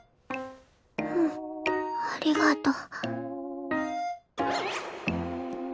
うんありがとう。